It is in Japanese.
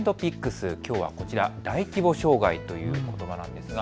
きょうはこちら大規模障害ということばなんです。